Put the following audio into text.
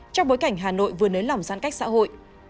trong bối cảnh hà nội vừa nới lỏng giãn cách xã hội